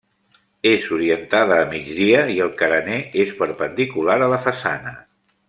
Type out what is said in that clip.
És orientada a migdia i el carener és perpendicular a la façana.